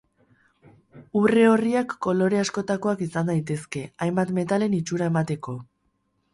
Urre orriak kolore askotakoak izan daitezke, hainbat metalen itxura emateko.